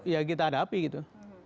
ya kita hadapi gitu